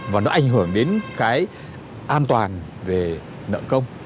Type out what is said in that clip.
và nó ảnh hưởng đến cái an toàn về nợ công